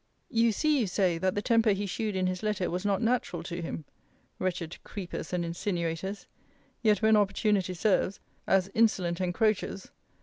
You see, you say, that the temper he shewed in his letter was not natural to him. Wretched creepers and insinuators! Yet when opportunity serves, as insolent encroachers!